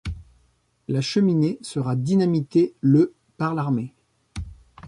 La cheminée sera dynamitée le par l'armée.